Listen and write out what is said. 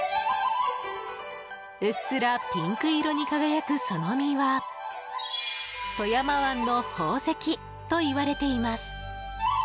うっすらピンク色に輝くその身は富山湾の宝石といわれています。